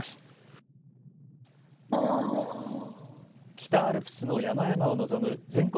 北アルプスの山々を望む全国